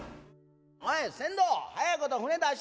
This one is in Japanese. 「おい船頭早いこと船出してんか」。